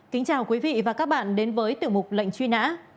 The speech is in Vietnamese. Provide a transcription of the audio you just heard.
kính chào quý vị và các bạn đến với tiểu mục lệnh truy nã